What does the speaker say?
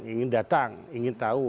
ingin datang ingin tahu